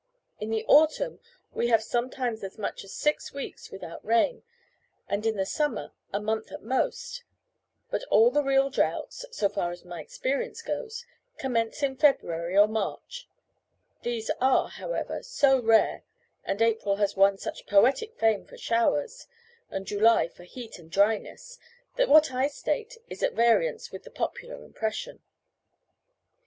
In the autumn we have sometimes as much as six weeks without rain, and in the summer a month at most, but all the real droughts (so far as my experience goes) commence in February or March; these are, however, so rare, and April has won such poetic fame for showers, and July for heat and dryness, that what I state is at variance with the popular impression.